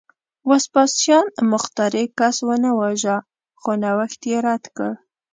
وسپاسیان مخترع کس ونه واژه، خو نوښت یې رد کړ